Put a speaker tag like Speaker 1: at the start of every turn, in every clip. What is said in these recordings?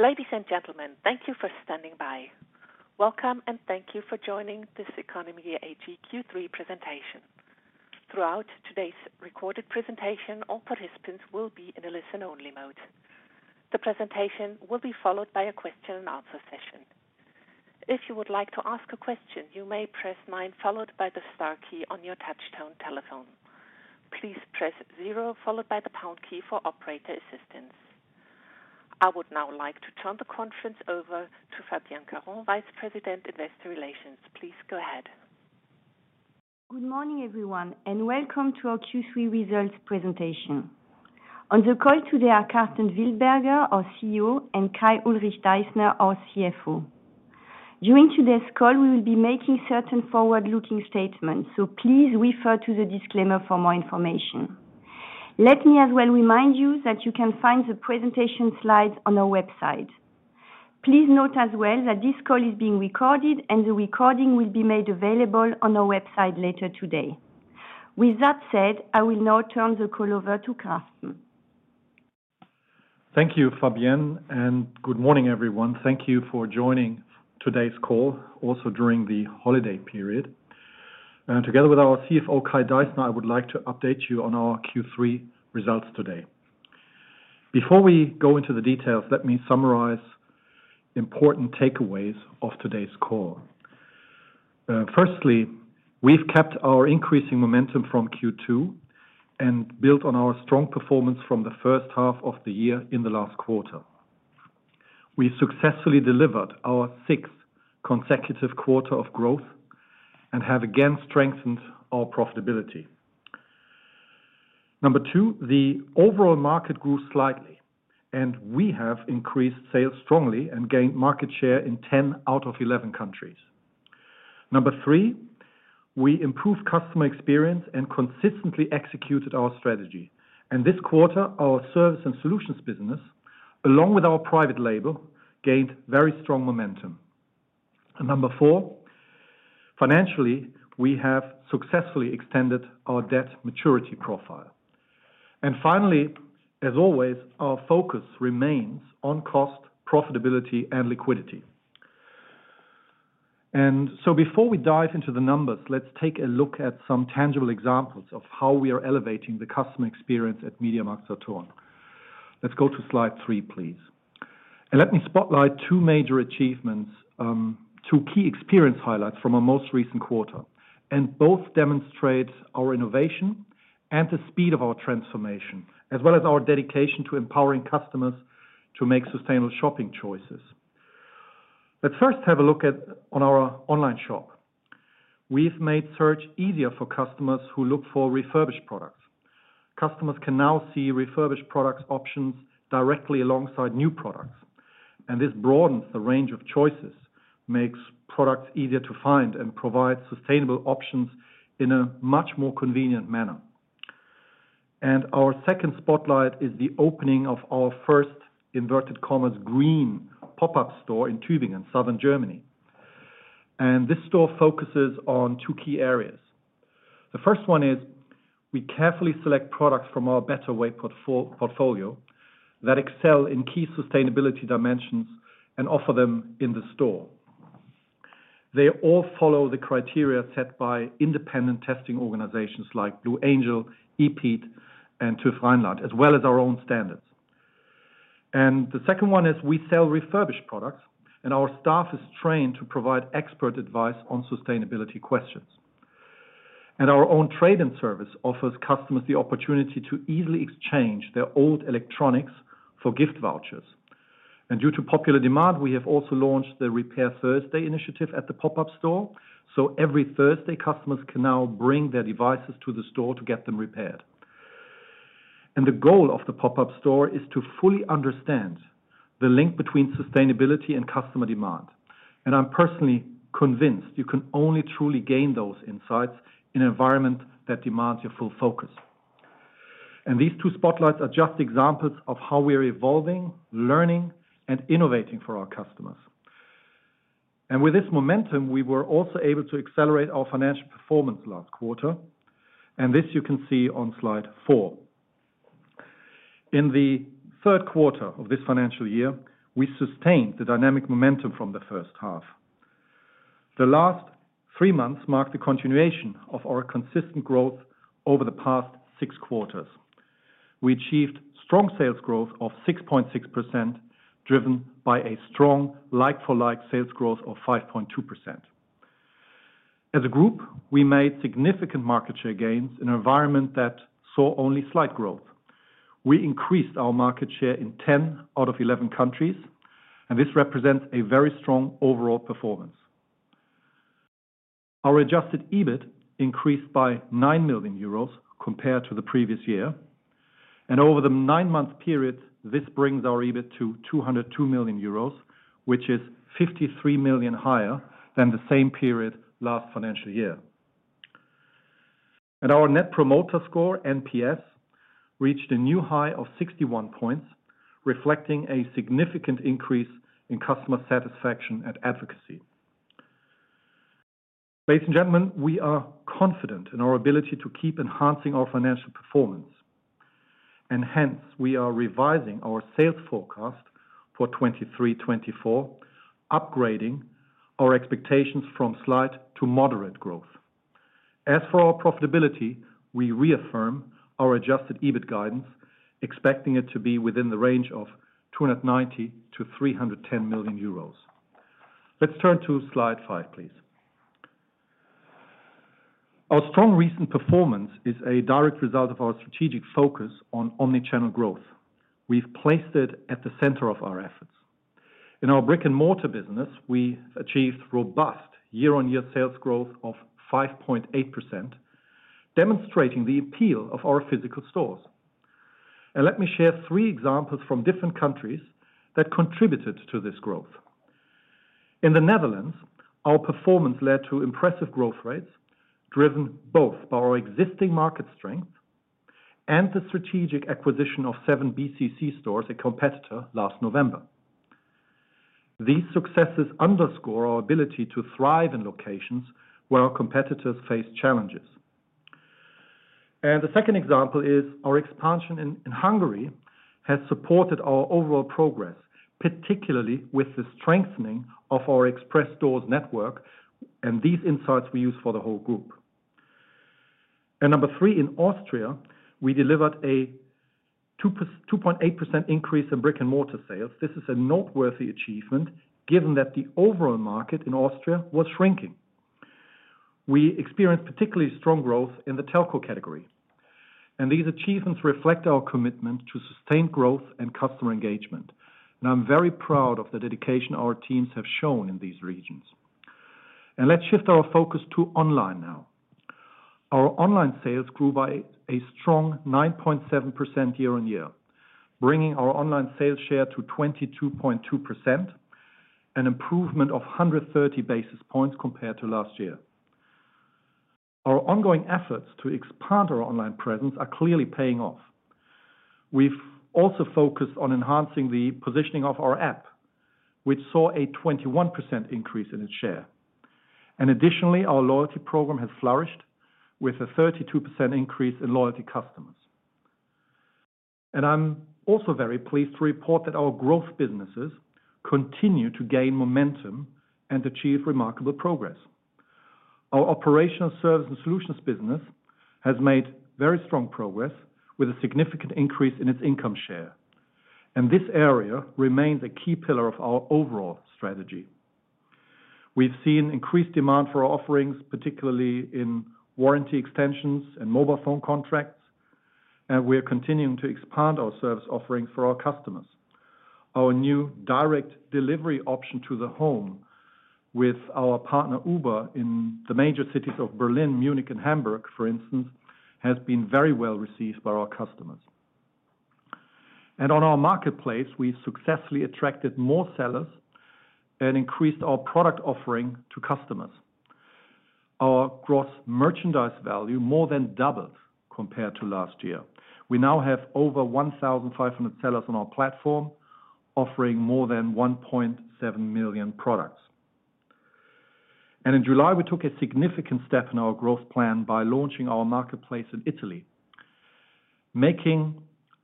Speaker 1: Ladies and gentlemen, thank you for standing by. Welcome, and thank you for joining this Ceconomy AG Q3 Presentation. Throughout today's recorded presentation, all participants will be in a listen-only mode. The presentation will be followed by a question and answer session. If you would like to ask a question, you may press nine, followed by the star key on your touchtone telephone. Please press zero, followed by the pound key for operator assistance. I would now like to turn the conference over to Fabienne Caron, Vice President, Investor Relations. Please go ahead.
Speaker 2: Good morning, everyone, and welcome to our Q3 results presentation. On the call today are Karsten Wildberger, our CEO, and Kai-Ulrich Deissner, our CFO. During today's call, we will be making certain forward-looking statements, so please refer to the disclaimer for more information. Let me as well remind you that you can find the presentation slides on our website. Please note as well that this call is being recorded, and the recording will be made available on our website later today. With that said, I will now turn the call over to Karsten.
Speaker 3: Thank you, Fabienne, and good morning, everyone. Thank you for joining today's call, also during the holiday period. Together with our CFO, Kai Deissner, I would like to update you on our Q3 results today. Before we go into the details, let me summarize important takeaways of today's call. Firstly, we've kept our increasing momentum from Q2 and built on our strong performance from the first half of the year in the last quarter. We successfully delivered our sixth consecutive quarter of growth and have again strengthened our profitability. Number two, the overall market grew slightly, and we have increased sales strongly and gained market share in 10 out of 11 countries. Number three, we improved customer experience and consistently executed our strategy. This quarter, our Services & Solutions business, along with our private label, gained very strong momentum. And number four, financially, we have successfully extended our debt maturity profile. And finally, as always, our focus remains on cost, profitability, and liquidity. And so before we dive into the numbers, let's take a look at some tangible examples of how we are elevating the customer experience at MediaMarktSaturn. Let's go to slide three, please. And let me spotlight two major achievements, two key experience highlights from our most recent quarter, and both demonstrate our innovation and the speed of our transformation, as well as our dedication to empowering customers to make sustainable shopping choices. Let's first have a look at, on our online shop. We've made search easier for customers who look for refurbished products. Customers can now see refurbished products options directly alongside new products, and this broadens the range of choices, makes products easier to find, and provides sustainable options in a much more convenient manner. Our second spotlight is the opening of our first "green" pop-up store in Tübingen, Southern Germany. This store focuses on two key areas. The first one is, we carefully select products from our BetterWay portfolio that excel in key sustainability dimensions and offer them in the store. They all follow the criteria set by independent testing organizations like Blue Angel, EPEAT, and TÜV Rheinland, as well as our own standards. The second one is we sell refurbished products, and our staff is trained to provide expert advice on sustainability questions. Our own trade-in service offers customers the opportunity to easily exchange their old electronics for gift vouchers. Due to popular demand, we have also launched the Repair Thursday initiative at the pop-up store, so every Thursday, customers can now bring their devices to the store to get them repaired. The goal of the pop-up store is to fully understand the link between sustainability and customer demand. I'm personally convinced you can only truly gain those insights in an environment that demands your full focus. These two spotlights are just examples of how we are evolving, learning, and innovating for our customers. With this momentum, we were also able to accelerate our financial performance last quarter, and this you can see on slide four. In the third quarter of this financial year, we sustained the dynamic momentum from the first half. The last three months marked the continuation of our consistent growth over the past six quarters. We achieved strong sales growth of 6.6%, driven by a strong like-for-like sales growth of 5.2%. As a group, we made significant market share gains in an environment that saw only slight growth. We increased our market share in 10 out of 11 countries, and this represents a very strong overall performance. Our adjusted EBIT increased by 9 million euros compared to the previous year, and over the nine-month period, this brings our EBIT to 202 million euros, which is 53 million higher than the same period last financial year. Our Net Promoter Score, NPS, reached a new high of 61 points, reflecting a significant increase in customer satisfaction and advocacy. Ladies and gentlemen, we are confident in our ability to keep enhancing our financial performance, and hence, we are revising our sales forecast for 2023-2024, upgrading our expectations from slight to moderate growth. As for our profitability, we reaffirm our Adjusted EBIT guidance, expecting it to be within the range of 290 million-310 million euros. Let's turn to slide five, please. Our strong recent performance is a direct result of our strategic focus on omni-channel growth. We've placed it at the center of our efforts. In our brick-and-mortar business, we achieved robust year-on-year sales growth of 5.8%, demonstrating the appeal of our physical stores. Let me share three examples from different countries that contributed to this growth. In the Netherlands, our performance led to impressive growth rates, driven both by our existing market strength and the strategic acquisition of 7 BCC stores, a competitor, last November. These successes underscore our ability to thrive in locations where our competitors face challenges. And the second example is our expansion in Hungary has supported our overall progress, particularly with the strengthening of our Xpress stores network, and these insights we use for the whole group. And number three, in Austria, we delivered a 2.8% increase in brick-and-mortar sales. This is a noteworthy achievement, given that the overall market in Austria was shrinking. We experienced particularly strong growth in the telco category, and these achievements reflect our commitment to sustained growth and customer engagement. And I'm very proud of the dedication our teams have shown in these regions. Let's shift our focus to online now. Our online sales grew by a strong 9.7% year on year, bringing our online sales share to 22.2%, an improvement of 130 basis points compared to last year. Our ongoing efforts to expand our online presence are clearly paying off. We've also focused on enhancing the positioning of our app, which saw a 21% increase in its share. And additionally, our loyalty program has flourished with a 32% increase in loyalty customers. And I'm also very pleased to report that our growth businesses continue to gain momentum and achieve remarkable progress. Our operational service and solutions business has made very strong progress with a significant increase in its income share, and this area remains a key pillar of our overall strategy. We've seen increased demand for our offerings, particularly in warranty extensions and mobile phone contracts, and we are continuing to expand our service offerings for our customers. Our new direct delivery option to the home with our partner, Uber, in the major cities of Berlin, Munich, and Hamburg, for instance, has been very well received by our customers. On our Marketplace, we successfully attracted more sellers and increased our product offering to customers. Our gross merchandise value more than doubled compared to last year. We now have over 1,500 sellers on our platform, offering more than 1.7 million products. In July, we took a significant step in our growth plan by launching our Marketplace in Italy, making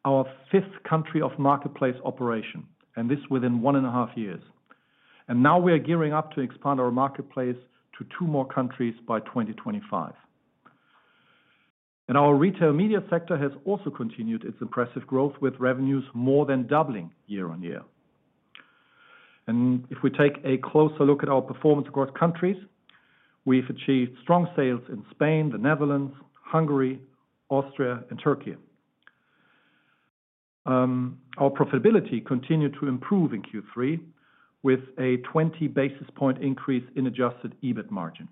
Speaker 3: our fifth country of Marketplace operation, and this within one and a half years. And now we are gearing up to expand our Marketplace to two more countries by 2025. Our Retail Media sector has also continued its impressive growth, with revenues more than doubling year-on-year. If we take a closer look at our performance across countries, we've achieved strong sales in Spain, the Netherlands, Hungary, Austria, and Turkey. Our profitability continued to improve in Q3 with a 20 basis point increase in adjusted EBIT margin.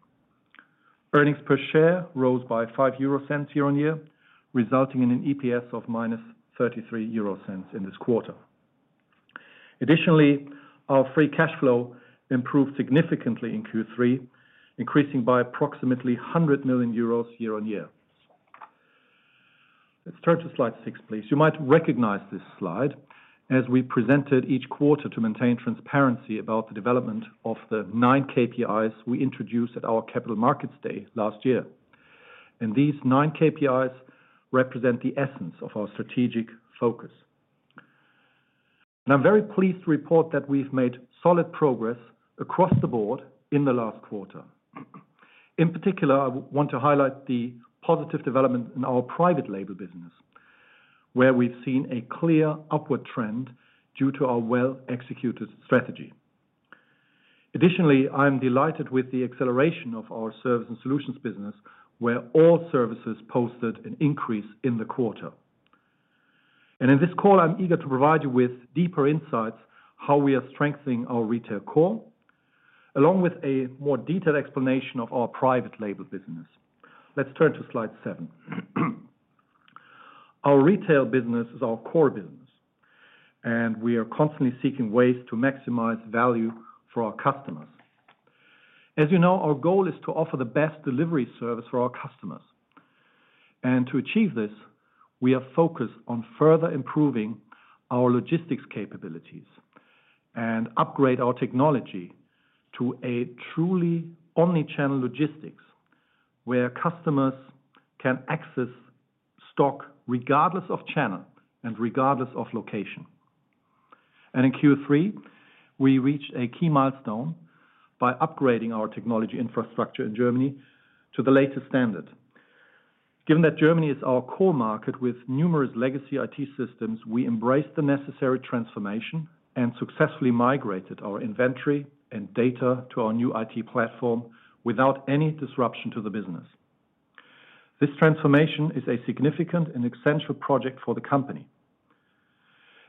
Speaker 3: Earnings per share rose by 0.05 year-on-year, resulting in an EPS of -0.33 in this quarter. Additionally, our free cash flow improved significantly in Q3, increasing by approximately 100 million euros year-on-year. Let's turn to slide six, please. You might recognize this slide as we presented each quarter to maintain transparency about the development of the nine KPIs we introduced at our Capital Markets Day last year. And these nine KPIs represent the essence of our strategic focus. And I'm very pleased to report that we've made solid progress across the board in the last quarter. In particular, I want to highlight the positive development in our private label business, where we've seen a clear upward trend due to our well-executed strategy. Additionally, I'm delighted with the acceleration of our service and solutions business, where all services posted an increase in the quarter. And in this call, I'm eager to provide you with deeper insights, how we are strengthening our retail core, along with a more detailed explanation of our private label business. Let's turn to slide seven. Our retail business is our core business, and we are constantly seeking ways to maximize value for our customers. As you know, our goal is to offer the best delivery service for our customers. And to achieve this, we are focused on further improving our logistics capabilities and upgrade our technology to a truly omni-channel logistics, where customers can access stock regardless of channel and regardless of location. And in Q3, we reached a key milestone by upgrading our technology infrastructure in Germany to the latest standard. Given that Germany is our core market with numerous legacy IT systems, we embraced the necessary transformation and successfully migrated our inventory and data to our new IT platform without any disruption to the business. This transformation is a significant and essential project for the company.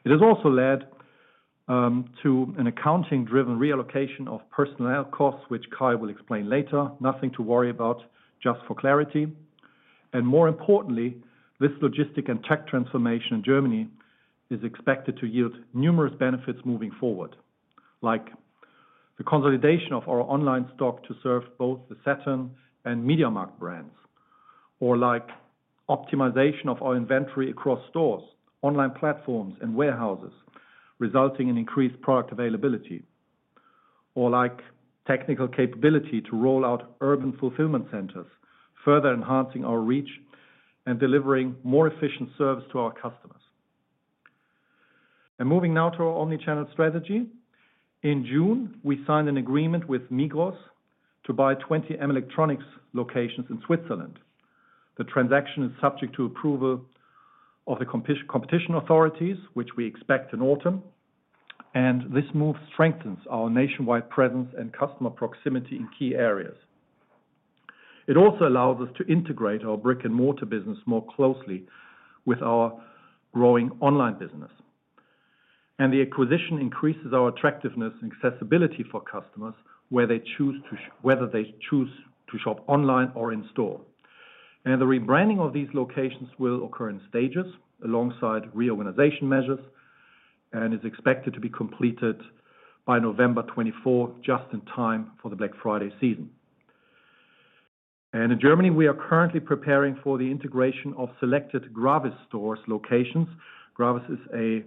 Speaker 3: It has also led, to an accounting-driven reallocation of personnel costs, which Kai will explain later. Nothing to worry about, just for clarity. And more importantly, this logistics and tech transformation in Germany is expected to yield numerous benefits moving forward, like the consolidation of our online stock to serve both the Saturn and MediaMarkt brands, or like optimization of our inventory across stores, online platforms, and warehouses, resulting in increased product availability. Or like technical capability to roll out urban fulfillment centers, further enhancing our reach and delivering more efficient service to our customers. And moving now to our omni-channel strategy. In June, we signed an agreement with Migros to buy 20 Melectronics locations in Switzerland. The transaction is subject to approval of the competition authorities, which we expect in autumn, and this move strengthens our nationwide presence and customer proximity in key areas. It also allows us to integrate our brick-and-mortar business more closely with our growing online business. The acquisition increases our attractiveness and accessibility for customers, whether they choose to shop online or in store. The rebranding of these locations will occur in stages alongside reorganization measures, and is expected to be completed by November 2024, just in time for the Black Friday season. In Germany, we are currently preparing for the integration of selected Gravis stores locations. Gravis is a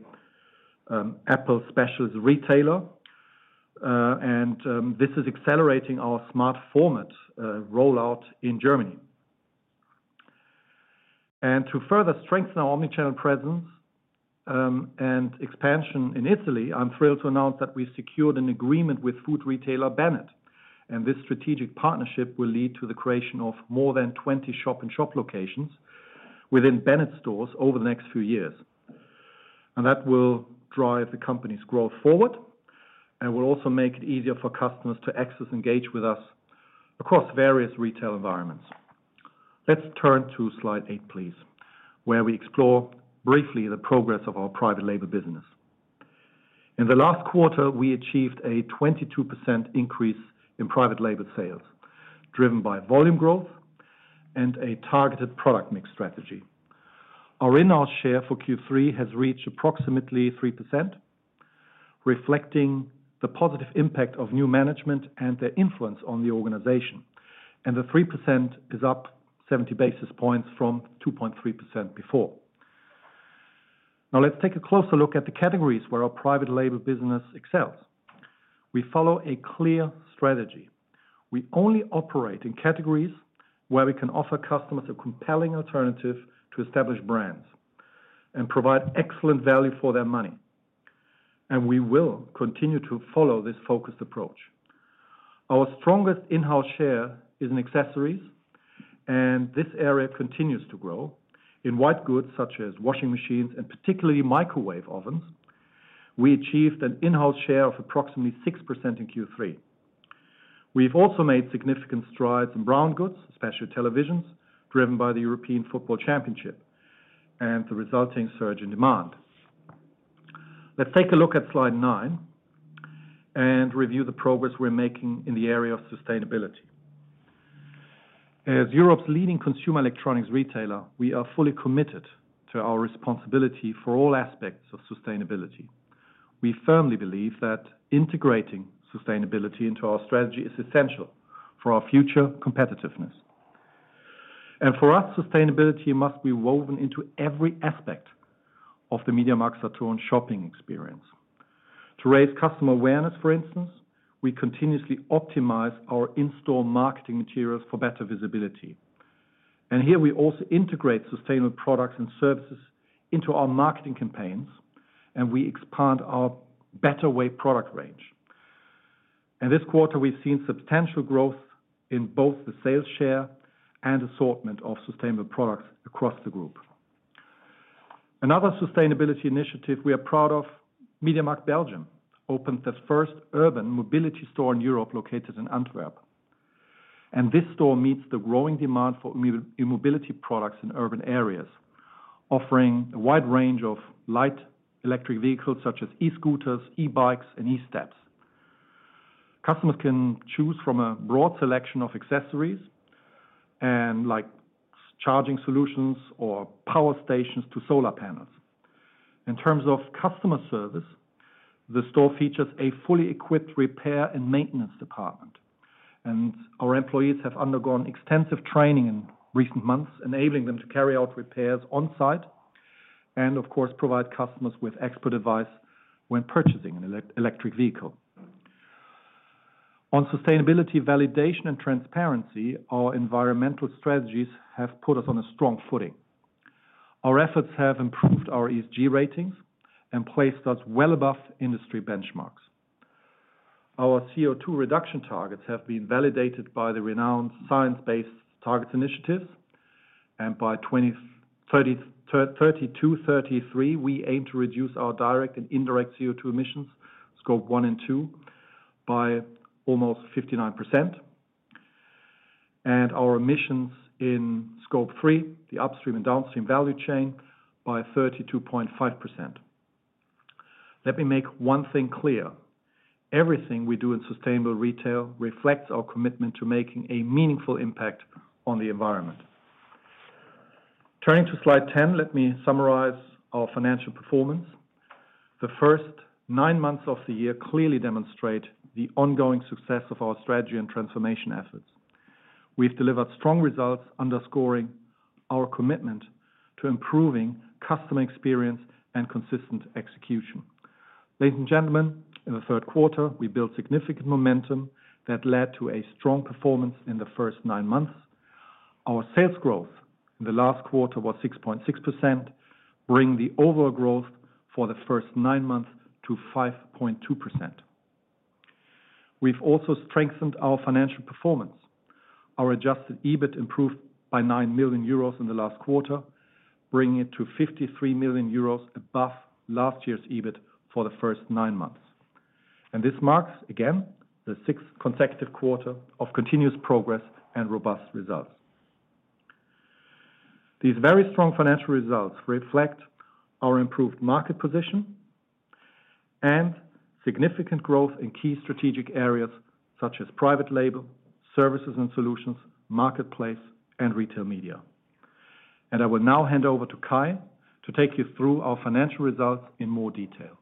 Speaker 3: Apple specialist retailer, and this is accelerating our Smart format rollout in Germany. To further strengthen our omni-channel presence and expansion in Italy, I'm thrilled to announce that we secured an agreement with food retailer, Bennet. This strategic partnership will lead to the creation of more than 20 shop-in-shop locations within Bennet stores over the next few years. And that will drive the company's growth forward, and will also make it easier for customers to access, engage with us across various retail environments. Let's turn to slide eight, please, where we explore briefly the progress of our private label business. In the last quarter, we achieved a 22% increase in private label sales, driven by volume growth and a targeted product mix strategy. Our in-house share for Q3 has reached approximately 3%, reflecting the positive impact of new management and their influence on the organization. And the 3% is up 70 basis points from 2.3% before. Now, let's take a closer look at the categories where our private label business excels. We follow a clear strategy. We only operate in categories where we can offer customers a compelling alternative to establish brands, and provide excellent value for their money, and we will continue to follow this focused approach. Our strongest in-house share is in accessories, and this area continues to grow. In white goods, such as washing machines and particularly microwave ovens, we achieved an in-house share of approximately 6% in Q3. We've also made significant strides in brown goods, especially televisions, driven by the European Football Championship and the resulting surge in demand. Let's take a look at slide nine, and review the progress we're making in the area of sustainability. As Europe's leading consumer electronics retailer, we are fully committed to our responsibility for all aspects of sustainability. We firmly believe that integrating sustainability into our strategy is essential for our future competitiveness. For us, sustainability must be woven into every aspect of the MediaMarktSaturn shopping experience. To raise customer awareness, for instance, we continuously optimize our in-store marketing materials for better visibility. Here, we also integrate sustainable products and services into our marketing campaigns, and we expand our BetterWay product range. This quarter, we've seen substantial growth in both the sales share and assortment of sustainable products across the group. Another sustainability initiative we are proud of, MediaMarkt Belgium, opened the first Urban Mobility Store in Europe, located in Antwerp. This store meets the growing demand for e-mobility products in urban areas, offering a wide range of light electric vehicles, such as e-scooters, e-bikes, and e-steps. Customers can choose from a broad selection of accessories and like charging solutions or power stations to solar panels. In terms of customer service, the store features a fully equipped repair and maintenance department, and our employees have undergone extensive training in recent months, enabling them to carry out repairs on site and, of course, provide customers with expert advice when purchasing an electric vehicle. On sustainability, validation, and transparency, our environmental strategies have put us on a strong footing. Our efforts have improved our ESG ratings and placed us well above industry benchmarks. Our CO₂ reduction targets have been validated by the renowned Science Based Targets initiative, and by 2032-2033, we aim to reduce our direct and indirect CO₂ emissions, Scope 1 and 2, by almost 59%, and our emissions in Scope 3, the upstream and downstream value chain, by 32.5%. Let me make one thing clear: Everything we do in sustainable retail reflects our commitment to making a meaningful impact on the environment. Turning to slide 10, let me summarize our financial performance. The first nine months of the year clearly demonstrate the ongoing success of our strategy and transformation efforts. We've delivered strong results, underscoring our commitment to improving customer experience and consistent execution. Ladies and gentlemen, in the third quarter, we built significant momentum that led to a strong performance in the first nine months. Our sales growth in the last quarter was 6.6%, bringing the overall growth for the first nine months to 5.2%. We've also strengthened our financial performance. Our adjusted EBIT improved by 9 million euros in the last quarter, bringing it to 53 million euros above last year's EBIT for the first nine months. This marks, again, the sixth consecutive quarter of continuous progress and robust results. These very strong financial results reflect our improved market position and significant growth in key strategic areas such as private label, Services & Solutions, Marketplace, and Retail Media. I will now hand over to Kai to take you through our financial results in more detail.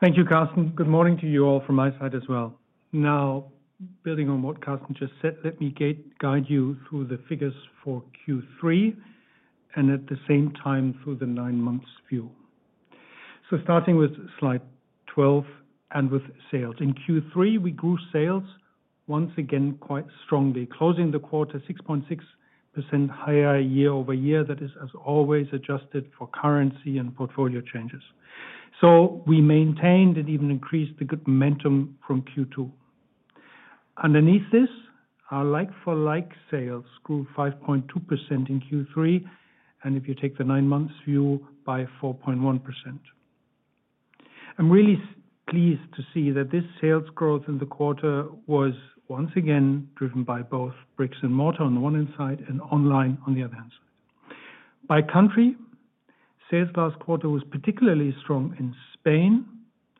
Speaker 3: Kai?
Speaker 4: Thank you, Karsten. Good morning to you all from my side as well. Now, building on what Karsten just said, let me guide you through the figures for Q3 and at the same time, through the nine months view. So starting with slide 12 and with sales. In Q3, we grew sales once again quite strongly, closing the quarter 6.6% higher year-over-year. That is, as always, adjusted for currency and portfolio changes. So we maintained and even increased the good momentum from Q2. Underneath this, our like-for-like sales grew 5.2% in Q3, and if you take the nine months view, by 4.1%. I'm really pleased to see that this sales growth in the quarter was once again driven by both bricks and mortar on the one hand side and online on the other hand side. By country, sales last quarter was particularly strong in Spain,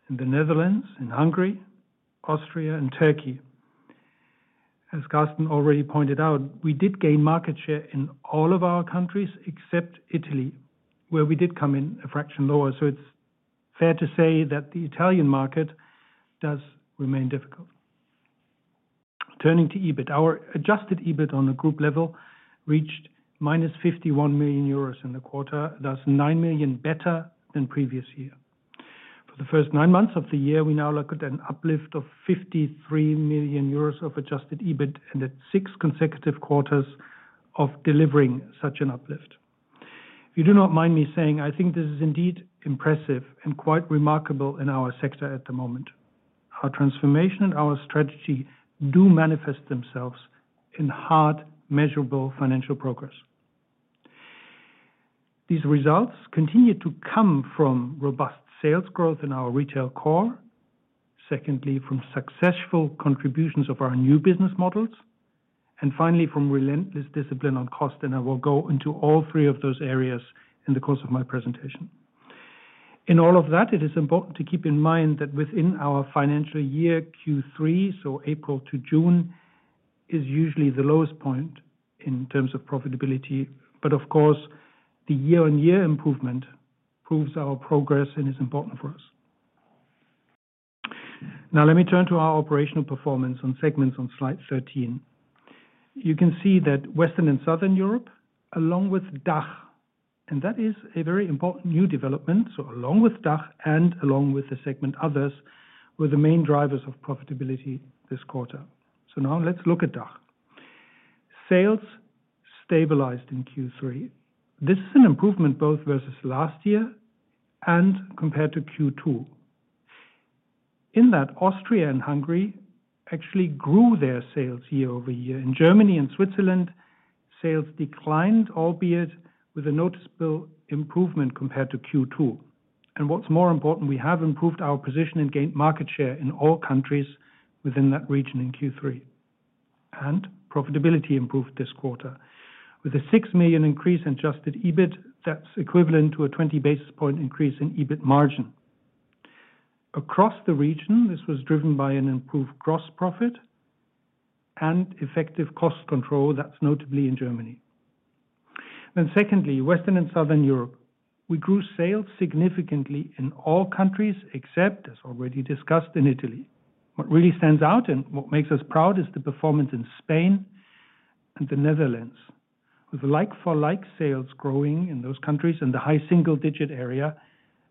Speaker 4: in the Netherlands, in Hungary, Austria, and Turkey. As Karsten already pointed out, we did gain market share in all of our countries except Italy, where we did come in a fraction lower. So it's fair to say that the Italian market does remain difficult. Turning to EBIT. Our adjusted EBIT on a group level reached -51 million euros in the quarter, thus 9 million better than previous year. For the first nine months of the year, we now look at an uplift of 53 million euros of adjusted EBIT and at six consecutive quarters of delivering such an uplift. If you do not mind me saying, I think this is indeed impressive and quite remarkable in our sector at the moment. Our transformation and our strategy do manifest themselves in hard, measurable financial progress. These results continue to come from robust sales growth in our retail core. Secondly, from successful contributions of our new business models, and finally, from relentless discipline on cost, and I will go into all three of those areas in the course of my presentation. In all of that, it is important to keep in mind that within our financial year, Q3, so April to June, is usually the lowest point in terms of profitability. But of course, the year-on-year improvement proves our progress and is important for us. Now, let me turn to our operational performance on segments on slide 13. You can see that Western and Southern Europe, along with DACH, and that is a very important new development. So along with DACH and along with the segment, Others, were the main drivers of profitability this quarter. So now let's look at DACH. Sales stabilized in Q3. This is an improvement both versus last year and compared to Q2. In that, Austria and Hungary actually grew their sales year-over-year. In Germany and Switzerland, sales declined, albeit with a noticeable improvement compared to Q2. And what's more important, we have improved our position and gained market share in all countries within that region in Q3. And profitability improved this quarter. With a 6 million increase in Adjusted EBIT, that's equivalent to a 20 basis point increase in EBIT margin. Across the region, this was driven by an improved gross profit and effective cost control, that's notably in Germany. Then secondly, Western and Southern Europe. We grew sales significantly in all countries, except, as already discussed, in Italy. What really stands out and what makes us proud is the performance in Spain and the Netherlands, with like-for-like sales growing in those countries in the high single digit area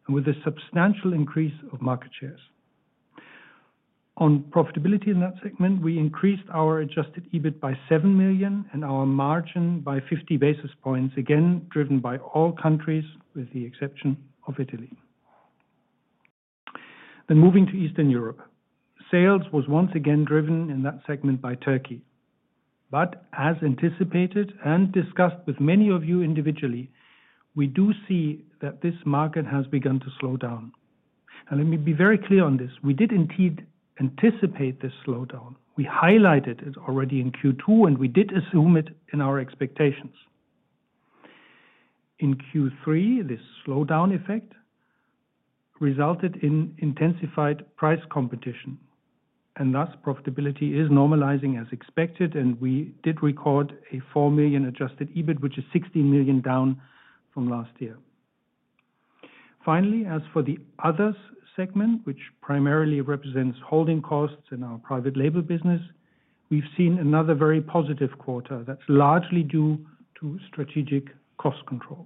Speaker 4: and with a substantial increase of market shares. On profitability in that segment, we increased our adjusted EBIT by 7 million and our margin by 50 basis points, again, driven by all countries, with the exception of Italy. Then moving to Eastern Europe. Sales was once again driven in that segment by Turkey, but as anticipated and discussed with many of you individually, we do see that this market has begun to slow down. And let me be very clear on this, we did indeed anticipate this slowdown. We highlighted it already in Q2, and we did assume it in our expectations. In Q3, this slowdown effect resulted in intensified price competition, and thus, profitability is normalizing as expected, and we did record 4 million adjusted EBIT, which is 16 million down from last year. Finally, as for the others segment, which primarily represents holding costs in our private label business, we've seen another very positive quarter that's largely due to strategic cost control.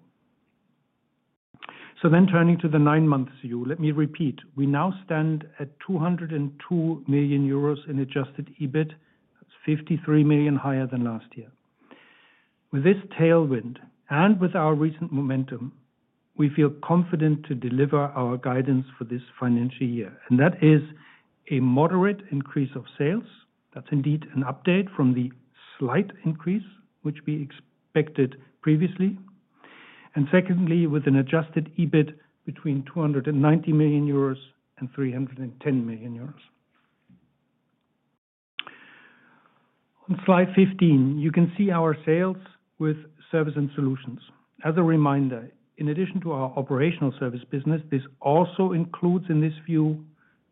Speaker 4: So then turning to the nine months view, let me repeat, we now stand at 202 million euros in adjusted EBIT. That's 53 million higher than last year. With this tailwind and with our recent momentum, we feel confident to deliver our guidance for this financial year, and that is a moderate increase of sales. That's indeed an update from the slight increase, which we expected previously. Secondly, with an adjusted EBIT between 290 million euros and 310 million euros. On slide 15, you can see our sales with service and solutions. As a reminder, in addition to our operational service business, this also includes, in this view,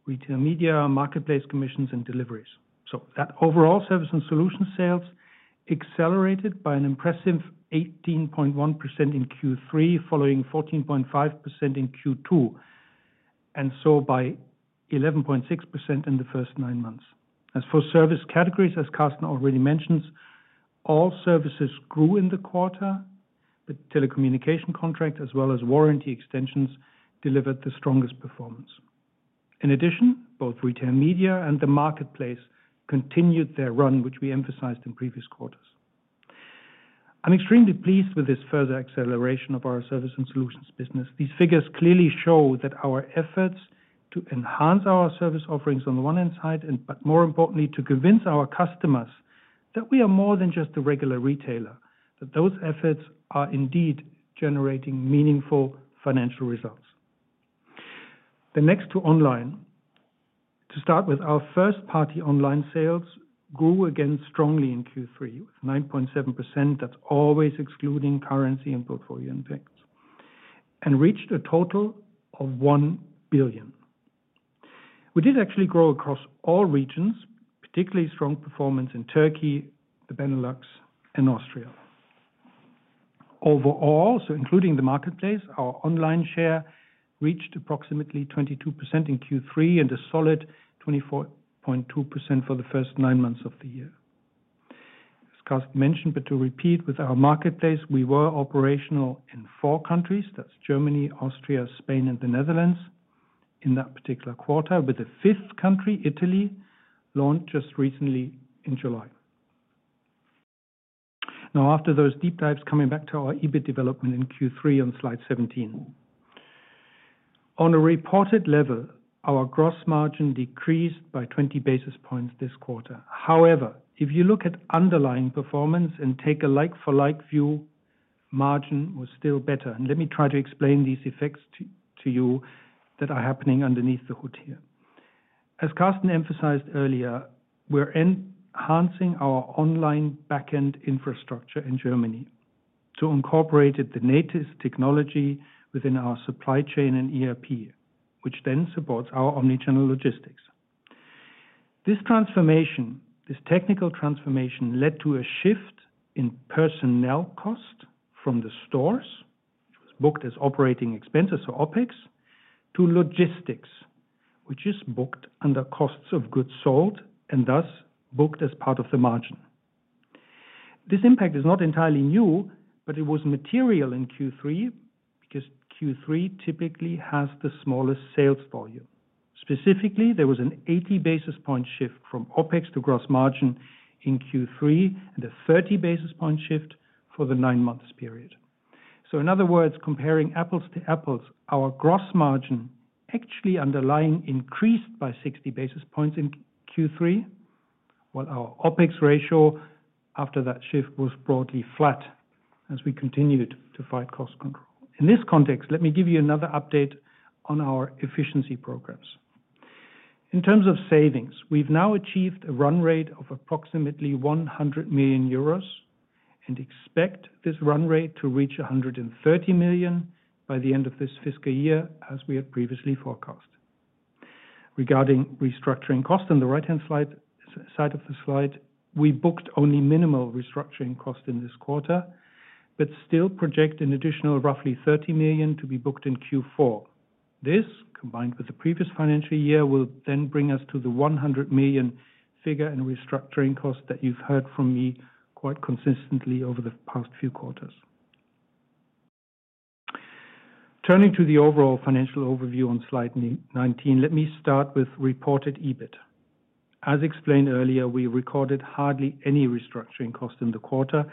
Speaker 4: Retail Media, Marketplace commissions, and deliveries. So that overall service and solution sales accelerated by an impressive 18.1% in Q3, following 14.5% in Q2, and so by 11.6% in the first nine months. As for service categories, as Karsten already mentioned, all services grew in the quarter. The telecommunication contract, as well as warranty extensions, delivered the strongest performance. In addition, both Retail Media and the Marketplace continued their run, which we emphasized in previous quarters. I'm extremely pleased with this further acceleration of our service and solutions business. These figures clearly show that our efforts to enhance our service offerings on the one hand side, and but more importantly, to convince our customers that we are more than just a regular retailer, that those efforts are indeed generating meaningful financial results. The next to online. To start with, our first-party online sales grew again strongly in Q3, with 9.7%, that's always excluding currency and portfolio impacts, and reached a total of 1 billion. We did actually grow across all regions, particularly strong performance in Turkey, the Benelux, and Austria. Overall, so including the Marketplace, our online share reached approximately 22% in Q3 and a solid 24.2% for the first nine months of the year. As Karsten mentioned, but to repeat, with our Marketplace, we were operational in four countries. That's Germany, Austria, Spain, and the Netherlands, in that particular quarter, with the fifth country, Italy, launched just recently in July. Now, after those deep dives, coming back to our EBIT development in Q3 on slide 17. On a reported level, our gross margin decreased by 20 basis points this quarter. However, if you look at underlying performance and take a like-for-like view, margin was still better. And let me try to explain these effects to you that are happening underneath the hood here. As Karsten emphasized earlier, we're enhancing our online back-end infrastructure in Germany to incorporate the latest technology within our supply chain and ERP, which then supports our omni-channel logistics. This transformation, this technical transformation, led to a shift in personnel cost from the stores, which was booked as operating expenses or OpEx, to logistics, which is booked under costs of goods sold, and thus, booked as part of the margin. This impact is not entirely new, but it was material in Q3, because Q3 typically has the smallest sales volume. Specifically, there was an 80 basis point shift from OpEx to gross margin in Q3 and a 30 basis point shift for the nine months period. So in other words, comparing apples to apples, our gross margin actually underlying increased by 60 basis points in Q3, while our OpEx ratio after that shift was broadly flat as we continued to fight cost control. In this context, let me give you another update on our efficiency programs. In terms of savings, we've now achieved a run rate of approximately 100 million euros, and expect this run rate to reach 130 million by the end of this fiscal year, as we had previously forecast. Regarding restructuring costs on the right-hand side of the slide, we booked only minimal restructuring costs in this quarter, but still project an additional roughly 30 million to be booked in Q4. This, combined with the previous financial year, will then bring us to the 100 million figure in restructuring costs that you've heard from me quite consistently over the past few quarters. Turning to the overall financial overview on slide nineteen, let me start with reported EBIT. As explained earlier, we recorded hardly any restructuring costs in the quarter,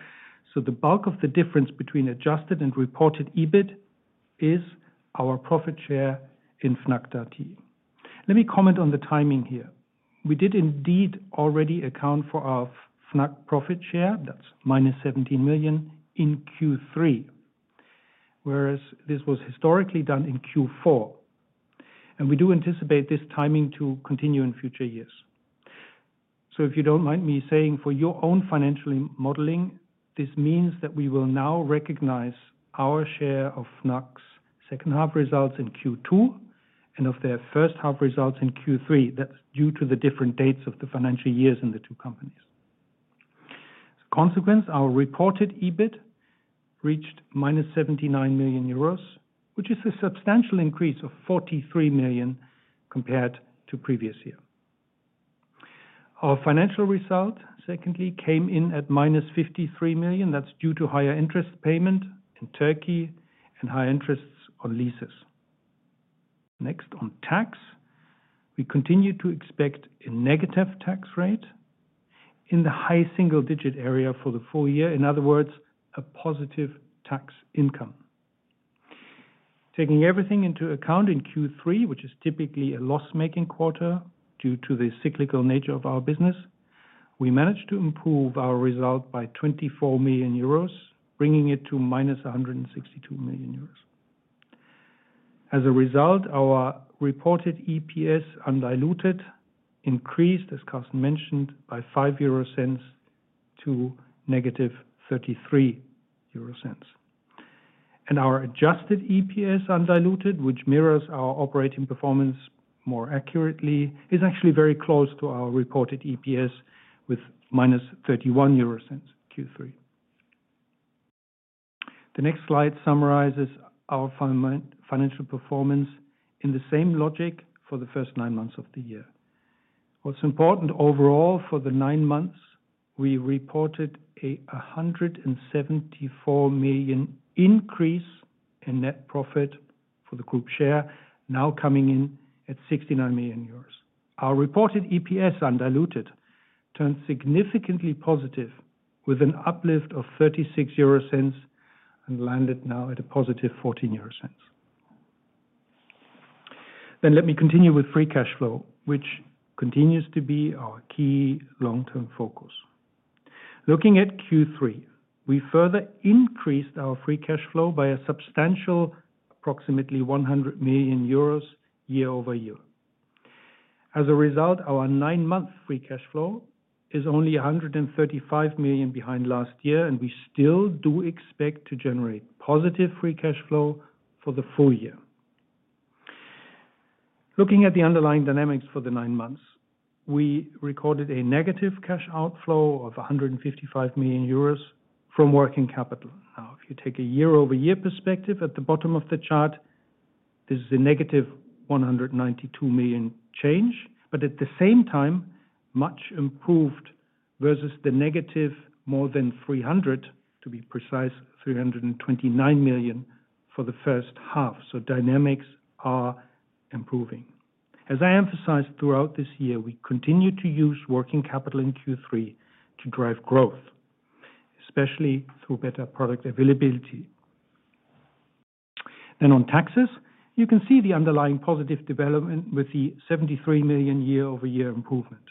Speaker 4: so the bulk of the difference between adjusted and reported EBIT is our profit share in Fnac Darty. Let me comment on the timing here. We did indeed already account for our Fnac profit share, that's -17 million, in Q3, whereas this was historically done in Q4. And we do anticipate this timing to continue in future years. So if you don't mind me saying, for your own financial modeling, this means that we will now recognize our share of Fnac's second half results in Q2, and of their first half results in Q3. That's due to the different dates of the financial years in the two companies. As a consequence, our reported EBIT reached -79 million euros, which is a substantial increase of 43 million compared to previous year. Our financial result, secondly, came in at -53 million. That's due to higher interest payment in Turkey and high interests on leases. Next, on tax, we continue to expect a negative tax rate in the high single digit area for the full year. In other words, a positive tax income. Taking everything into account in Q3, which is typically a loss-making quarter due to the cyclical nature of our business, we managed to improve our result by 24 million euros, bringing it to -162 million euros. As a result, our reported EPS undiluted increased, as Karsten mentioned, by 0.05 to -0.33. And our adjusted EPS undiluted, which mirrors our operating performance more accurately, is actually very close to our reported EPS with -0.31 euro, Q3. The next slide summarizes our financial performance in the same logic for the first nine months of the year. What's important, overall, for the nine months, we reported a, a 174 million increase in net profit for the group share, now coming in at 69 million euros. Our reported EPS undiluted turned significantly positive, with an uplift of 0.36, and landed now at a positive 0.14. Let me continue with free cash flow, which continues to be our key long-term focus. Looking at Q3, we further increased our free cash flow by a substantial, approximately 100 million euros year-over-year. As a result, our nine-month free cash flow is only 135 million behind last year, and we still do expect to generate positive free cash flow for the full year. Looking at the underlying dynamics for the nine months, we recorded a negative cash outflow of 155 million euros from working capital. Now, if you take a year-over-year perspective at the bottom of the chart, this is a negative 192 million change, but at the same time, much improved versus the negative, more than three hundred, to be precise, 329 million, for the first half. So dynamics are improving. As I emphasized throughout this year, we continue to use working capital in Q3 to drive growth, especially through better product availability. Then on taxes, you can see the underlying positive development with the 73 million year-over-year improvement.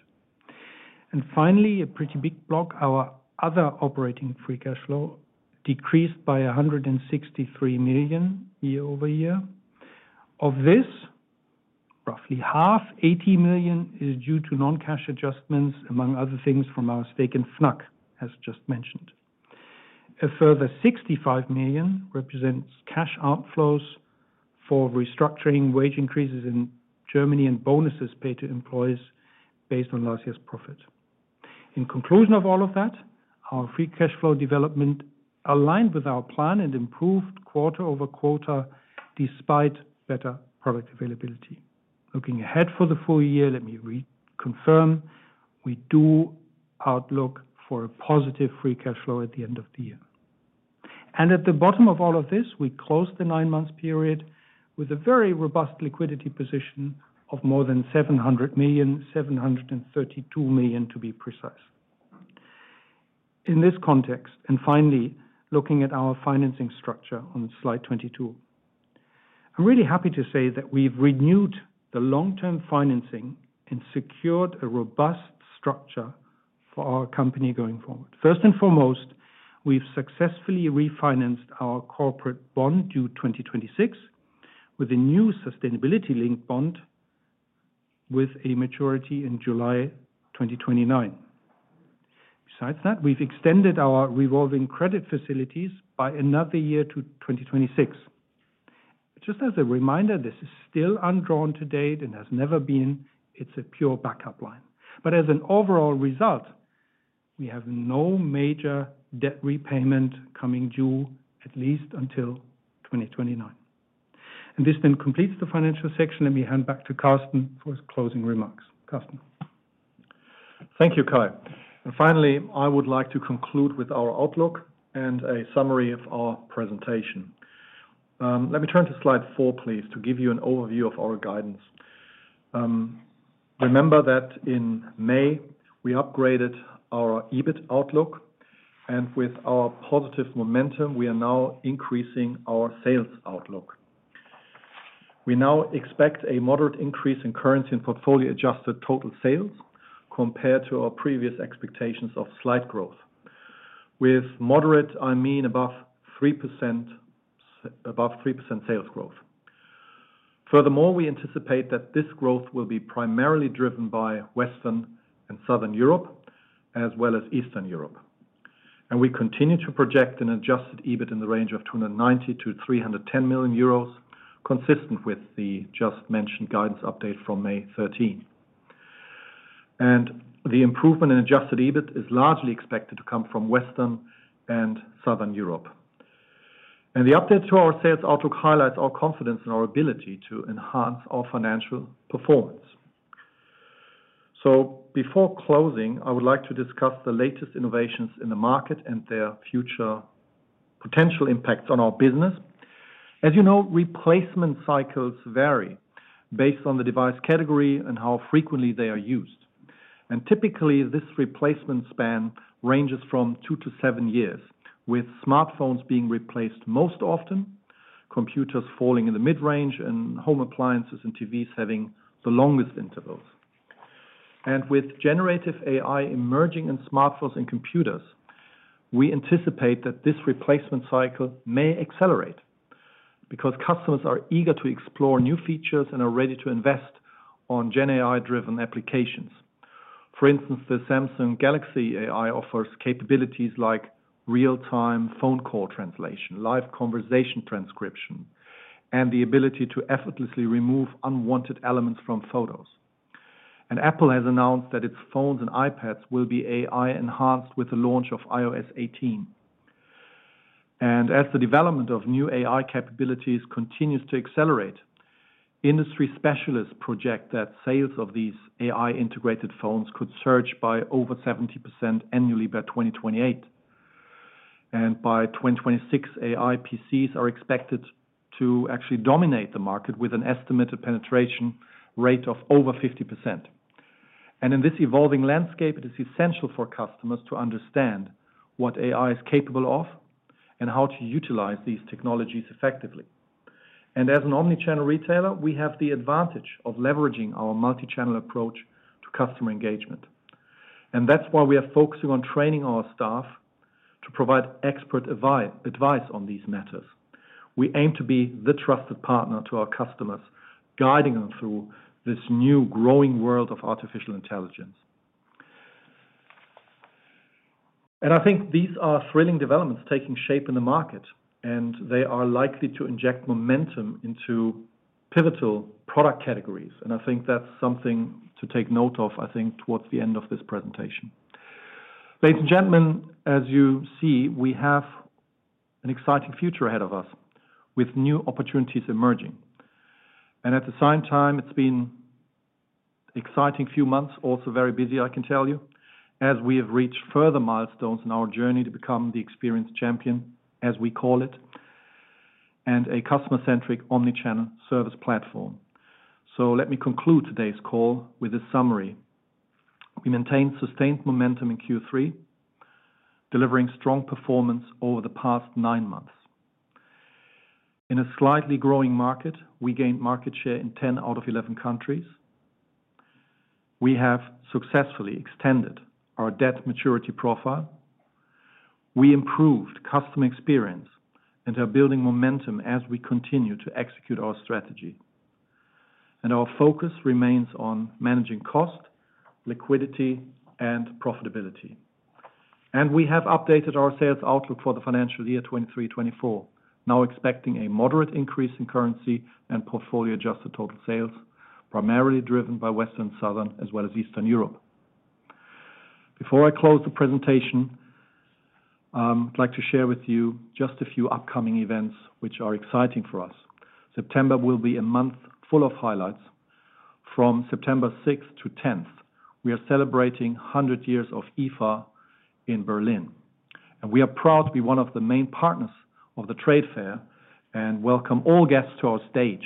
Speaker 4: And finally, a pretty big block, our other operating free cash flow decreased by a 163 million year-over-year. Of this, roughly half, 80 million, is due to non-cash adjustments, among other things, from our stake in Fnac, as just mentioned. A further 65 million represents cash outflows for restructuring wage increases in Germany and bonuses paid to employees based on last year's profit. In conclusion of all of that, our free cash flow development aligned with our plan and improved quarter-over-quarter, despite better product availability. Looking ahead for the full year, let me reconfirm, we do outlook for a positive free cash flow at the end of the year. And at the bottom of all of this, we closed the nine months period with a very robust liquidity position of more than 700 million, 732 million, to be precise. In this context, and finally, looking at our financing structure on slide 22. I'm really happy to say that we've renewed the long-term financing and secured a robust structure for our company going forward. First and foremost, we've successfully refinanced our corporate bond to 2026, with a new sustainability-linked bond with a maturity in July 2029. Besides that, we've extended our revolving credit facilities by another year to 2026. Just as a reminder, this is still undrawn to date and has never been. It's a pure backup line. But as an overall result, we have no major debt repayment coming due at least until 2029. And this then completes the financial section, let me hand back to Karsten for his closing remarks. Karsten?
Speaker 3: Thank you, Kai. Finally, I would like to conclude with our outlook and a summary of our presentation. Let me turn to slide four, please, to give you an overview of our guidance. Remember that in May, we upgraded our EBIT outlook, and with our positive momentum, we are now increasing our sales outlook. We now expect a moderate increase in currency and portfolio-adjusted total sales compared to our previous expectations of slight growth. With moderate, I mean, above 3% sales growth. Furthermore, we anticipate that this growth will be primarily driven by Western and Southern Europe, as well as Eastern Europe. We continue to project an adjusted EBIT in the range of 290 million-310 million euros, consistent with the just-mentioned guidance update from May 13. The improvement in adjusted EBIT is largely expected to come from Western and Southern Europe. The update to our sales outlook highlights our confidence and our ability to enhance our financial performance. So before closing, I would like to discuss the latest innovations in the market and their future potential impacts on our business. As you know, replacement cycles vary based on the device category and how frequently they are used. Typically, this replacement span ranges from two to seven years, with smartphones being replaced most often, computers falling in the mid-range, and home appliances and TVs having the longest intervals. With Generative AI emerging in smartphones and computers, we anticipate that this replacement cycle may accelerate because customers are eager to explore new features and are ready to invest on Gen AI-driven applications. For instance, the Samsung Galaxy AI offers capabilities like real-time phone call translation, live conversation transcription, and the ability to effortlessly remove unwanted elements from photos. Apple has announced that its phones and iPads will be AI-enhanced with the launch of iOS 18. As the development of new AI capabilities continues to accelerate, industry specialists project that sales of these AI-integrated phones could surge by over 70% annually by 2028. By 2026, AI PCs are expected to actually dominate the market with an estimated penetration rate of over 50%. In this evolving landscape, it is essential for customers to understand what AI is capable of and how to utilize these technologies effectively. And as an omni-channel retailer, we have the advantage of leveraging our multi-channel approach to customer engagement, and that's why we are focusing on training our staff to provide expert advice on these matters. We aim to be the trusted partner to our customers, guiding them through this new growing world of artificial intelligence. And I think these are thrilling developments taking shape in the market, and they are likely to inject momentum into pivotal product categories. And I think that's something to take note of, I think, towards the end of this presentation. Ladies and gentlemen, as you see, we have an exciting future ahead of us, with new opportunities emerging. At the same time, it's been exciting few months, also very busy, I can tell you, as we have reached further milestones in our journey to become the experience champion, as we call it, and a customer-centric omni-channel service platform. So let me conclude today's call with a summary. We maintained sustained momentum in Q3, delivering strong performance over the past nine months. In a slightly growing market, we gained market share in 10 out of 11 countries. We have successfully extended our debt maturity profile. We improved customer experience and are building momentum as we continue to execute our strategy. Our focus remains on managing cost, liquidity, and profitability. We have updated our sales outlook for the financial year 2023-2024, now expecting a moderate increase in currency and portfolio-adjusted total sales, primarily driven by Western, Southern, as well as Eastern Europe. Before I close the presentation, I'd like to share with you just a few upcoming events which are exciting for us. September will be a month full of highlights. From September six to 10, we are celebrating 100 years of IFA in Berlin, and we are proud to be one of the main partners of the trade fair and welcome all guests to our stage.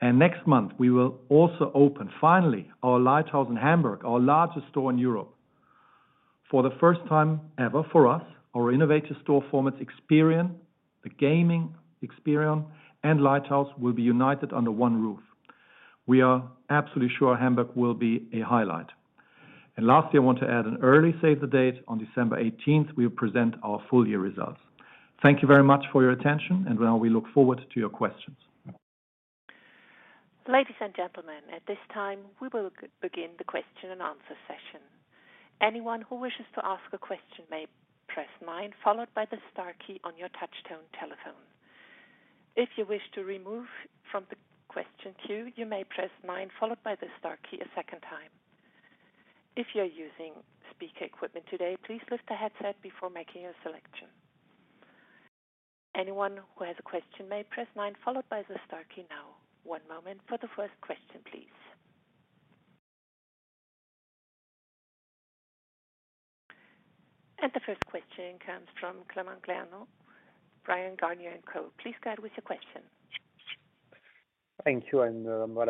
Speaker 3: Next month, we will also open, finally, our Lighthouse in Hamburg, our largest store in Europe. For the first time ever, for us, our innovative store formats experience, the gaming experience, and Lighthouse will be united under one roof. We are absolutely sure Hamburg will be a highlight. Lastly, I want to add an early save the date. On December 18, we will present our full year results. Thank you very much for your attention, and now we look forward to your questions.
Speaker 1: Ladies and gentlemen, at this time, we will begin the question and answer session. Anyone who wishes to ask a question may press nine, followed by the star key on your touchtone telephone. If you wish to remove from the question queue, you may press nine, followed by the star key a second time. If you're using speaker equipment today, please lift the headset before making your selection. Anyone who has a question may press nine, followed by the star key now. One moment for the first question, please. The first question comes from Clément Genelot, Bryan, Garnier & Co. Please go ahead with your question.
Speaker 5: Thank you, and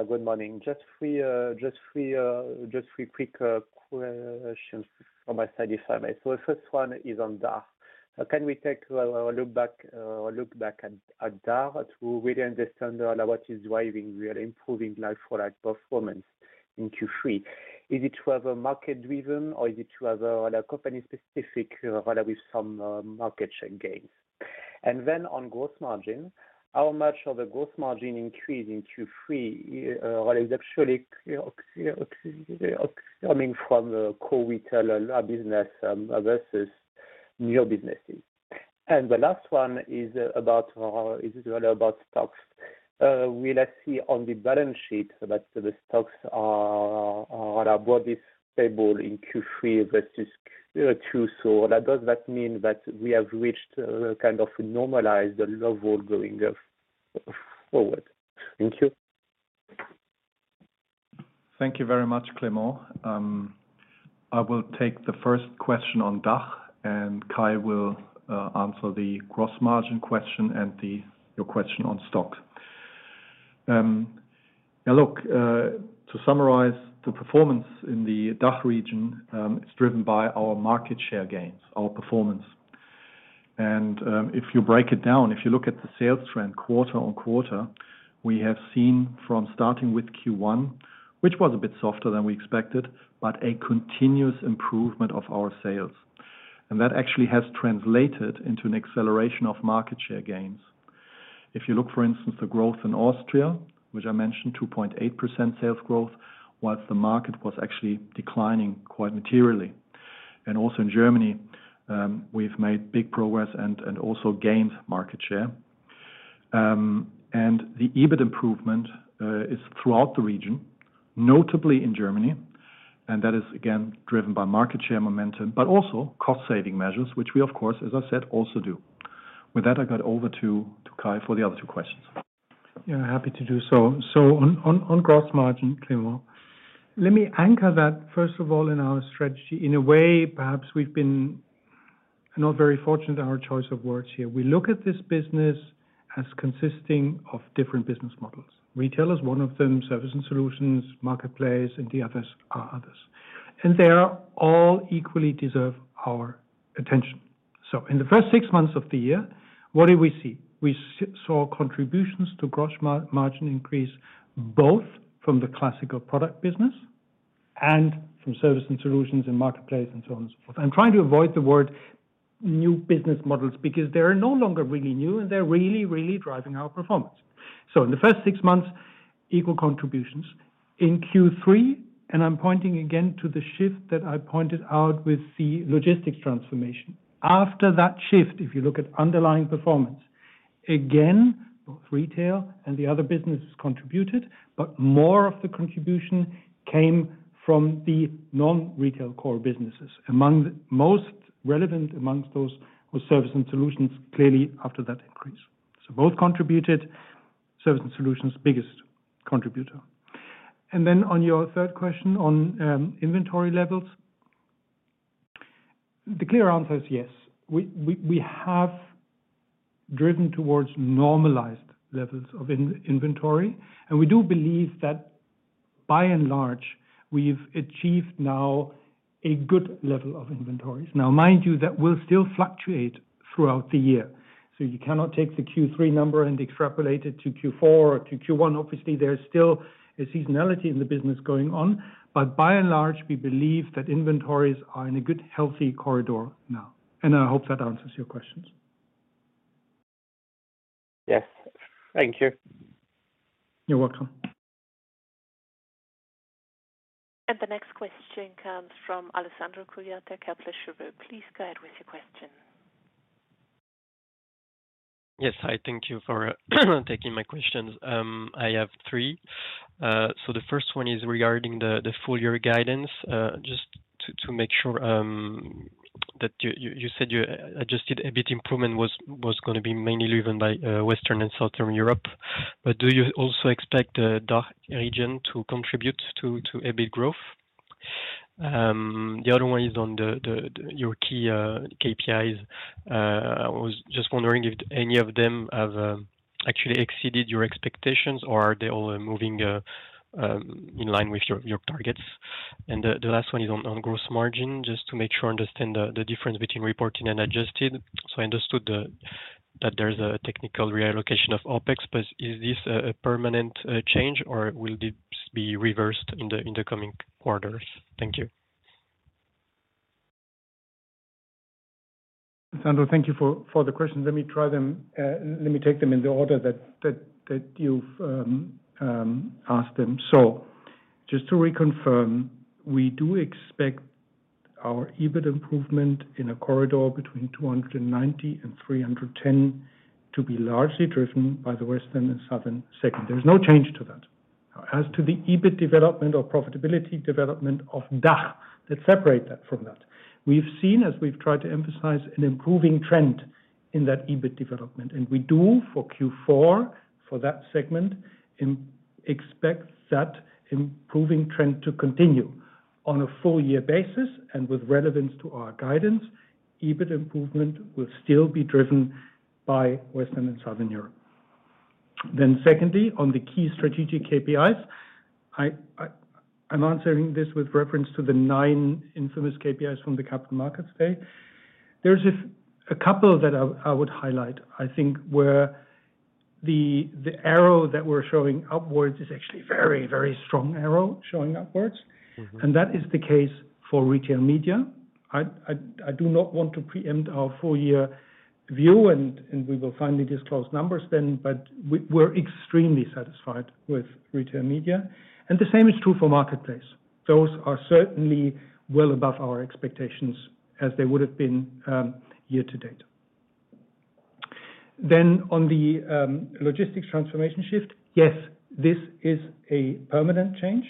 Speaker 5: good morning. Just three quick questions from my side if I may. So the first one is on DACH. Can we take a look back at DACH to really understand what is driving really improving like-for-like performance in Q3? Is it rather market driven, or is it rather company specific with some market share gains? And then on gross margin, how much of the gross margin increase in Q3 is actually coming from the core retail business versus new businesses? And the last one is really about stocks. We now see on the balance sheet that the stocks are rather broadly stable in Q3 versus Q2. So does that mean that we have reached, kind of normalized the low wall going up forward? Thank you.
Speaker 3: Thank you very much, Clément. I will take the first question on DACH, and Kai will answer the gross margin question and your question on stock. Now, look, to summarize the performance in the DACH region, it's driven by our market share gains, our performance. If you break it down, if you look at the sales trend quarter-over-quarter, we have seen from starting with Q1, which was a bit softer than we expected, but a continuous improvement of our sales. And that actually has translated into an acceleration of market share gains. If you look, for instance, the growth in Austria, which I mentioned, 2.8% sales growth, while the market was actually declining quite materially. And also in Germany, we've made big progress and also gained market share. The EBIT improvement is throughout the region, notably in Germany, and that is again driven by market share momentum, but also cost-saving measures, which we of course, as I said, also do. With that, I got over to Kai for the other two questions.
Speaker 4: Yeah, happy to do so. So on gross margin, Clément, let me anchor that, first of all, in our strategy. In a way, perhaps we've been not very fortunate in our choice of words here. We look at this business as consisting of different business models. Retail is one of them, service and solutions, Marketplace, and the others are others. And they are all equally deserve our attention. So in the first six months of the year, what did we see? We saw contributions to gross margin increase, both from the classical product business and from service and solutions in Marketplace, and so on and so forth. I'm trying to avoid the word new business models, because they are no longer really new, and they're really, really driving our performance. So in the first six months, equal contributions. In Q3, I'm pointing again to the shift that I pointed out with the logistics transformation. After that shift, if you look at underlying performance, again, both retail and the other businesses contributed, but more of the contribution came from the non-retail core businesses. Among most relevant among those was service and solutions, clearly after that increase. So both contributed, service and solutions, biggest contributor. And then on your third question on inventory levels, the clear answer is yes. We have driven towards normalized levels of inventory, and we do believe that by and large, we've achieved now a good level of inventories. Now, mind you, that will still fluctuate throughout the year, so you cannot take the Q3 number and extrapolate it to Q4 or to Q1. Obviously, there is still a seasonality in the business going on, but by and large, we believe that inventories are in a good, healthy corridor now. I hope that answers your questions.
Speaker 5: Yes. Thank you.
Speaker 4: You're welcome.
Speaker 1: The next question comes from Alessandro Cuglietta, Kepler Cheuvreux. Please go ahead with your question.
Speaker 6: Yes, hi, thank you for taking my questions. I have three. So the first one is regarding the full year guidance. Just to make sure that you said you adjusted a bit, improvement was gonna be mainly driven by Western and Southern Europe. But do you also expect the DACH region to contribute to a bit growth? The other one is on your key KPIs. I was just wondering if any of them have actually exceeded your expectations, or are they all moving in line with your targets? The last one is on gross margin, just to make sure I understand the difference between reporting and adjusted. So I understood the, that there's a technical reallocation of OpEx, but is this a, a permanent, change, or will this be reversed in the, in the coming quarters? Thank you.
Speaker 4: Sandro, thank you for the question. Let me try them, let me take them in the order that you've asked them. So just to reconfirm, we do expect our EBIT improvement in a corridor between 290 and 310 to be largely driven by the Western and Southern Europe segment. There's no change to that. As to the EBIT development or profitability development of DACH, let's separate that from that. We've seen, as we've tried to emphasize, an improving trend in that EBIT development, and we do for Q4, for that segment, expect that improving trend to continue. On a full year basis and with relevance to our guidance, EBIT improvement will still be driven by Western and Southern Europe. Then secondly, on the key strategic KPIs, I'm answering this with reference to the nine infamous KPIs from the Capital Markets Day. There's a couple that I would highlight, I think, where the arrow that we're showing upwards is actually very, very strong arrow showing upwards.
Speaker 6: Mm-hmm.
Speaker 4: And that is the case for Retail Media. I do not want to preempt our full year view, and we will finally disclose numbers then, but we're extremely satisfied with Retail Media. And the same is true for Marketplace. Those are certainly well above our expectations as they would have been year to date. Then, on the logistics transformation shift, yes, this is a permanent change.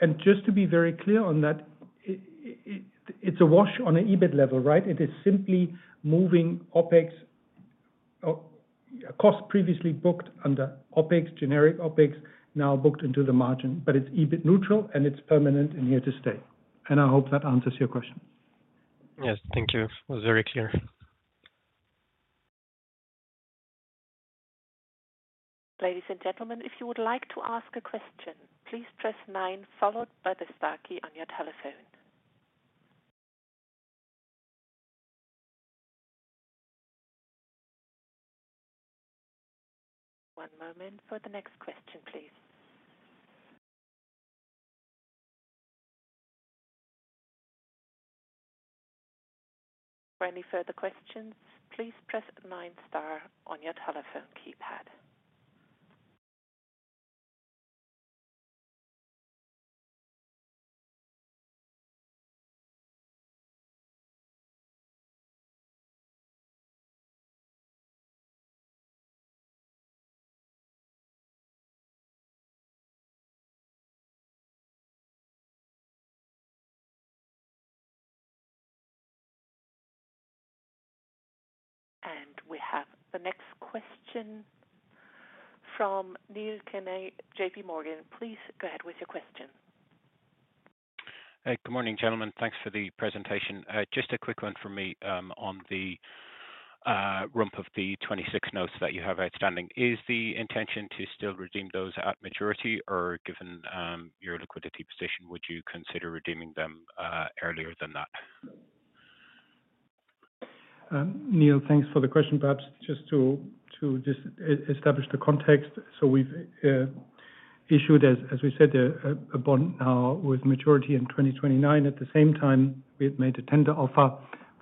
Speaker 4: And just to be very clear on that, it's a wash on an EBIT level, right? It is simply moving OpEx cost previously booked under OpEx, generic OpEx, now booked into the margin. But it's EBIT neutral, and it's permanent and here to stay. And I hope that answers your question.
Speaker 6: Yes. Thank you. It was very clear.
Speaker 1: Ladies and gentlemen, if you would like to ask a question, please press nine followed by the star key on your telephone. One moment for the next question, please. For any further questions, please press nine star on your telephone keypad. And we have the next question from Neill Keaney, JP Morgan. Please go ahead with your question.
Speaker 7: Good morning, gentlemen. Thanks for the presentation. Just a quick one from me, on the 2026 notes that you have outstanding. Is the intention to still redeem those at maturity, or given your liquidity position, would you consider redeeming them earlier than that?
Speaker 4: Neill, thanks for the question. Perhaps just to just establish the context. So we've issued, as, as we said, a bond now with maturity in 2029. At the same time, we had made a tender offer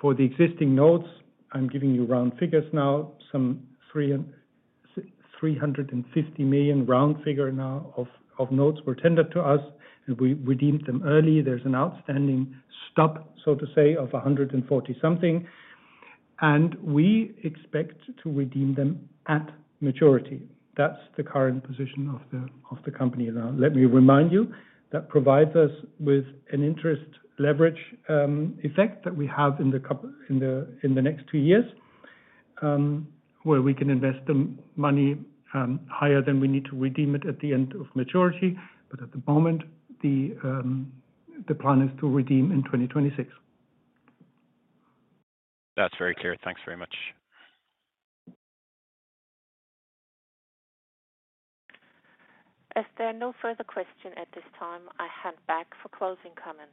Speaker 4: for the existing notes. I'm giving you round figures now. Some 350 million round figure now of notes were tendered to us, and we redeemed them early. There's an outstanding stub, so to say, of 140 something, and we expect to redeem them at maturity. That's the current position of the company now. Let me remind you, that provides us with an interest leverage effect that we have in the couple. In the next two years, where we can invest the money higher than we need to redeem it at the end of maturity. But at the moment, the plan is to redeem in 2026.
Speaker 7: That's very clear. Thanks very much.
Speaker 1: As there are no further questions at this time, I hand back for closing comments.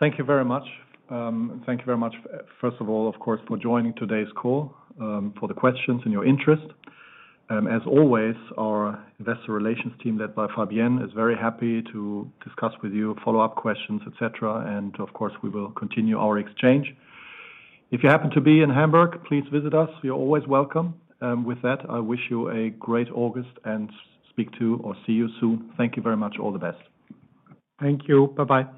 Speaker 3: Thank you very much. Thank you very much, first of all, of course, for joining today's call, for the questions and your interest. As always, our investor relations team, led by Fabienne, is very happy to discuss with you follow-up questions, et cetera. And of course, we will continue our exchange. If you happen to be in Hamburg, please visit us. You're always welcome. With that, I wish you a great August and speak to you or see you soon. Thank you very much. All the best.
Speaker 4: Thank you. Bye-bye.